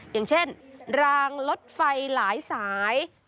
อย่างเช่นรางรถไฟหลายสาย